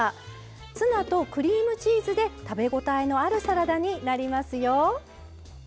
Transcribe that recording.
ツナとクリームチーズで食べ応えのあるサラダになりますよ。